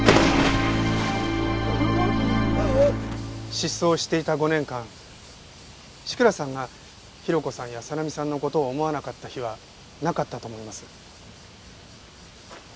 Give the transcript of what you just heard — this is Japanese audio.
失踪していた５年間志倉さんが寛子さんやさなみさんの事を思わなかった日はなかったと思います。